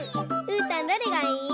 うーたんどれがいい？